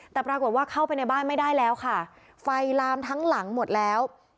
แต่ปรากฏว่าเข้าไปในบ้านไม่ได้แล้วค่ะไฟลามทั้งหลังหมดแล้ว